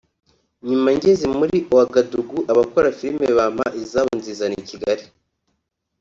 nyuma ngeze muri Ouagadougou abakora filime bampa izabo nzizana i Kigali